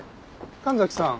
神崎さん。